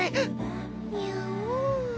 にゃおん。